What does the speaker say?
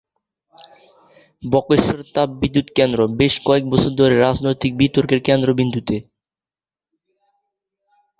বক্রেশ্বর তাপবিদ্যুৎ কেন্দ্র বেশ কয়েক বছর ধরেই রাজনৈতিক বিতর্কের কেন্দ্রবিন্দুতে।